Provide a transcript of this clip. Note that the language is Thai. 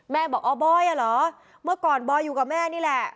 บอกอ๋อบอยอ่ะเหรอเมื่อก่อนบอยอยู่กับแม่นี่แหละ